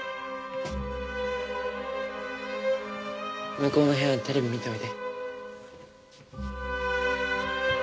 向こうの部屋でテレビ見ておいで。